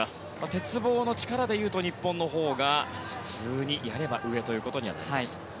鉄棒の力でいうと日本のほうが普通にやれば上となります。